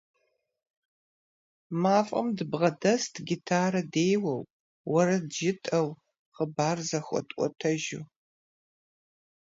Мафӏэм дыбгъэдэст гитарэ деуэу, уэрэд жытӀэу, хъыбар зэхуэтӏуэтэжу.